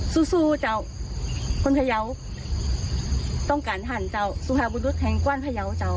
สู้สู้เจ้าคนพยาวต้องการหั่นเจ้าสุภาพบุรุษแห่งกว้านพยาวเจ้า